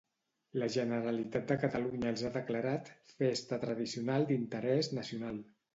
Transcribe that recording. La Generalitat de Catalunya els ha declarat Festa Tradicional d'Interès Nacional.